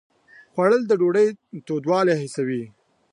خوړل د ډوډۍ تودوالی حسوي